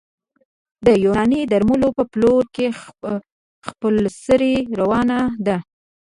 د یوناني درملو په پلور کې خپلسري روانه ده